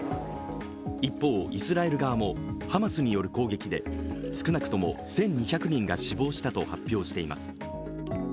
一方、イスラエル側もハマスによる攻撃で少なくとも１２００人が死亡したと発表しています。